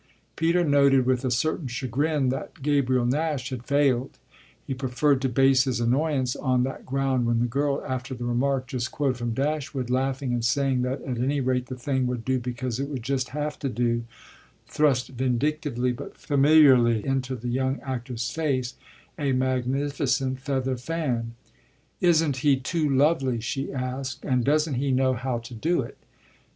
Peter noted with a certain chagrin that Gabriel Nash had failed; he preferred to base his annoyance on that ground when the girl, after the remark just quoted from Dashwood, laughing and saying that at any rate the thing would do because it would just have to do, thrust vindictively but familiarly into the young actor's face a magnificent feather fan. "Isn't he too lovely," she asked, "and doesn't he know how to do it?"